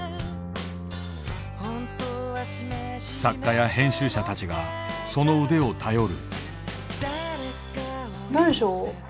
作家や編集者たちがその腕を頼る。